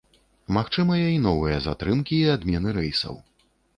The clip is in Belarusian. Магчымыя і новыя затрымкі і адмены рэйсаў.